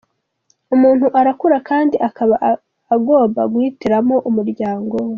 Umuntu arakura kandi aba agomba guhitiramo umuryango we”.